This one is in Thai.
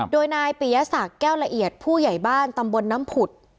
โดยนายปียศักดิ์แก้วละเอียดผู้ใหญ่บ้านตำบลน้ำผุด